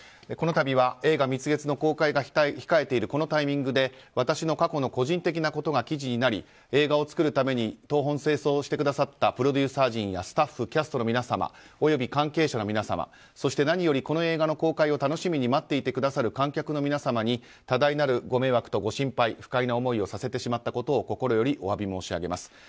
このたびは映画「蜜月」の公開が控えているこのタイミングで私の過去の個人的なことが記事になり、映画を作るために東奔西走をしてくださったプロデューサー陣スタッフキャストの皆様および関係者の皆様何よりこの映画の公開を待ってくださっている観客の皆様に多大なるご迷惑とご心配不快な思いをさせてしまったことを心よりお詫び申し上げます。